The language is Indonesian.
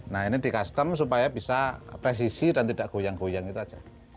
nah ini di custom supaya bisa presisi dan tidak goyang goyang itu saja